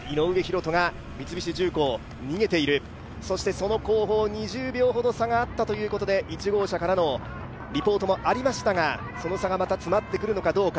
その後方２０秒ほど差があったということで１号車からのリポートもありましたが、その差が詰まってくるのかどうか。